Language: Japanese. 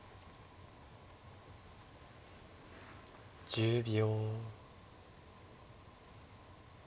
１０秒。